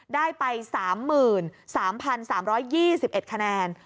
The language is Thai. ได้ไป๓๓๒๑คะแนน